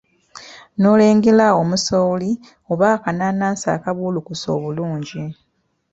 N'olengera omusooli oba akanaanansi akabuulukuse obulungi.